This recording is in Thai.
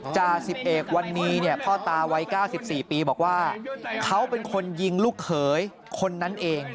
จ่าสิบเอกวันนี้เนี่ยพ่อตาวัย๙๔ปีบอกว่าเขาเป็นคนยิงลูกเขยคนนั้นเอง